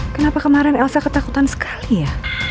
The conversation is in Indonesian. kenapa kemarin elsa ketakutan sekali ya